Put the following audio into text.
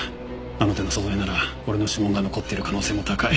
あの手の素材なら俺の指紋が残っている可能性も高い。